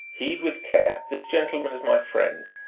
Heed with care: this gentleman is my friend.